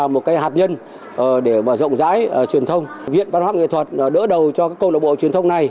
một hạt nhân để rộng rãi truyền thông viện văn hóa nghệ thuật đỡ đầu cho công độc bộ truyền thông này